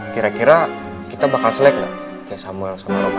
kira kira kita bakal selek lah kayak samuel sama roman